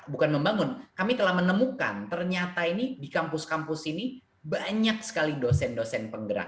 bukan membangun kami telah menemukan ternyata ini di kampus kampus ini banyak sekali dosen dosen penggerak